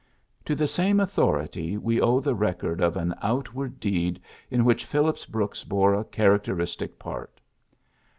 To the same authority we owe the record of an outward deed in which Phillips Brooks bore a characteristic part.